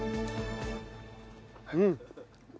うん。